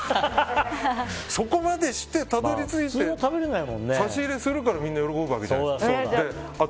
そこまでしてたどり着いて差し入れするからみんな喜ぶわけじゃないですか。